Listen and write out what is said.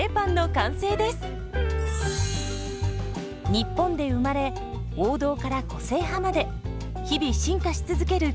日本で生まれ王道から個性派まで日々進化し続けるカレーパン。